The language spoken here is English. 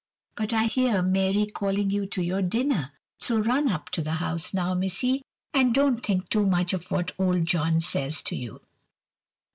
But I hear Mary calling you to your dinner; so run up to the house now, missy, and don't think too much of what old John says to you."